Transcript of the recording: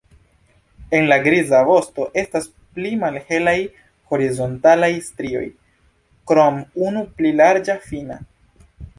En la griza vosto estas tri malhelaj horizontalaj strioj krom unu pli larĝa fina.